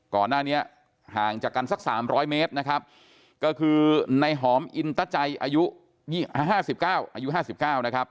ก่อนหน้านี้ห่างจากกันสัก๓๐๐เมตรนะครับก็คือในหอมอินตะใจอายุ๕๙อายุ๕๙นะครับ